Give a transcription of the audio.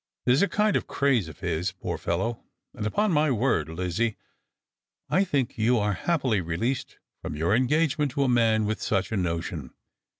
It is a kind of craze of his, poor fellow ; and upon my word, Lizzie, I think you are happily released from your engagement to a man with such a notion.